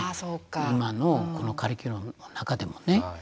今のこのカリキュラムの中でもね。